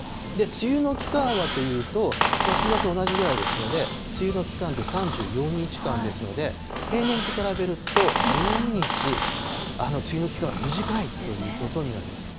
梅雨の期間はというと、梅雨明け、同じぐらいですので、梅雨の期間で３４日間ですので、平年と比べると１２日梅雨の期間は短いということになります。